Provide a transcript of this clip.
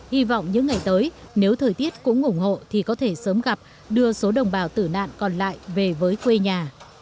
hy vọng những ngày tới nếu thời tiết cũng ủng hộ thì có thể sớm gặp đưa số đồng bào tử nạn còn lại về với quê nhà